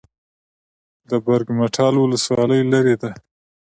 د برګ مټال ولسوالۍ لیرې ده